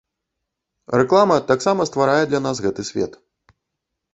Рэклама таксама стварае для нас гэты свет.